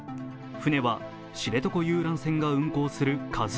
船は知床遊覧船が運行する「ＫＡＺＵⅠ」。